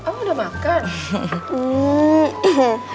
oh udah makan